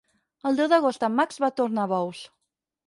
El deu d'agost en Max va a Tornabous.